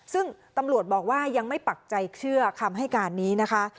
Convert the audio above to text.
ซึ่งตำรวจบอกว่ายังไม่ปักใจเชื่อคำให้การนี้นะคะ